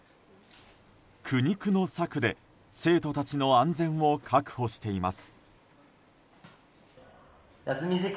苦肉の策で、生徒たちの安全を確保しています。